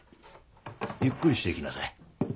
ゆっくりして行きなさい。